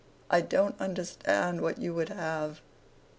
I don't understand what you would have.